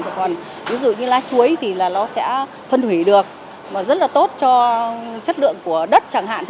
còn ví dụ như lá chuối thì là nó sẽ phân hủy được mà rất là tốt cho chất lượng của đất chẳng hạn